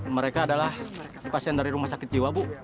mereka adalah pasien dari rumah sakit jiwa bu